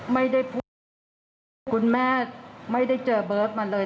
ไม่ได้พูดเลยคุณแม่ไม่ได้เจอเบิร์ตมาเลย